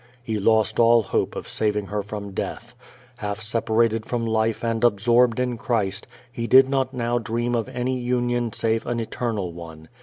He lost all hope of saving her from ^66 Q^^ VADI8. death. Half separated from life and absorbed in Christ, he did not now dream of any union save an eternal one.